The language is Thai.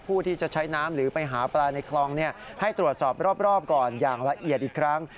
ผู้ที่จะใช้น้ำหรือไปหาปลาในคลองให้ตรวจสอบรอบก่อนอย่างละเอียดอีกครั้ง